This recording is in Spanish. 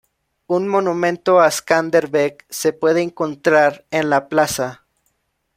Un Monumento a Skanderbeg se puede encontrar en la plaza.